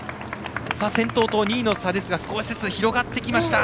先頭と２位の差ですが少しずつ広がってきました。